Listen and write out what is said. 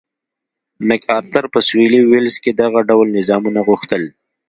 مک ارتر په سوېلي ویلز کې دغه ډول نظامونه غوښتل.